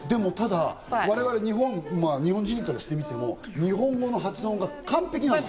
我々日本人からしてみても日本語の発音が完璧なんですよ。